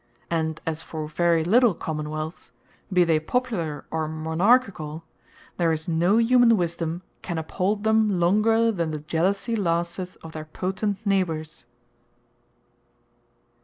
And as for very little Common wealths, be they Popular, or Monarchicall, there is no humane wisdome can uphold them, longer then the Jealousy lasteth of their potent Neighbours.